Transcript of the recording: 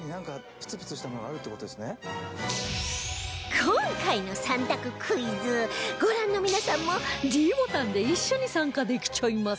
今回の３択クイズご覧の皆さんも ｄ ボタンで一緒に参加できちゃいます